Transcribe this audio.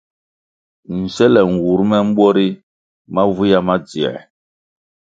Nsele nwur me mbwo ri mavywia ma dziē.